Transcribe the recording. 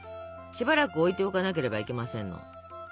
しばらく置いておかなければいけませんの。